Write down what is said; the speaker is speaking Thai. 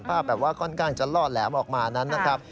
แบบว่าค่อนข้างจะล่อแหลมออกมานั้นนะครับ